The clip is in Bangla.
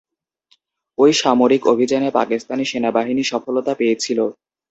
ঐ সামরিক অভিযানে পাকিস্তানি সেনাবাহিনী সফলতা পেয়েছিলো।